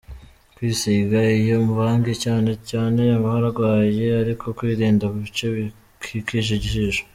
kwisiga iyo mvange cyane cyane aharwaye ariko wirinda ibice bikikije ijisho.